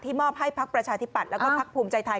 ที่มอบให้พักประชาธิบัติและพักภูมิใจไทย